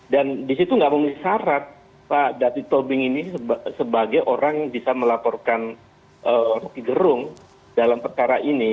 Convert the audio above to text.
dan di situ tidak memiliki syarat pak dati tobing ini sebagai orang yang bisa melaporkan rocky gerung dalam perkara ini